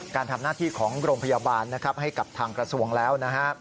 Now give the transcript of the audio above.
การทำหน้าที่ของโรงพยาบาลนะครับให้กับทางกระทรวงแล้วนะฮะ